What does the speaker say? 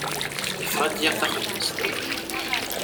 Yeffeɣ ad d-yaɣ taxbizt.